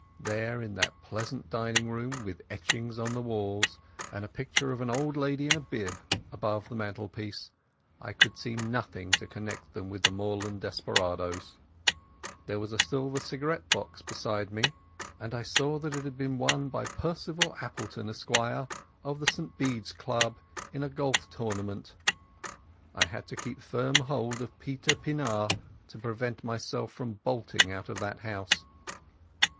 There in that pleasant dining room, with etchings on the walls, and a picture of an old lady in a bib above the mantelpiece, I could see nothing to connect them with the moorland desperadoes. There was a silver cigarette box beside me, and I saw that it had been won by Percival Appleton, Esq., of the St Bede's Club, in a golf tournament. I had to keep a firm hold of Peter Pienaar to prevent myself bolting out of that house.